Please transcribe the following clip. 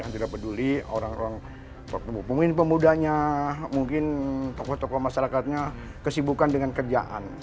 tidak peduli orang orang mungkin pemudanya mungkin tokoh tokoh masyarakatnya kesibukan dengan kerjaan